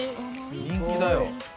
人気だよ。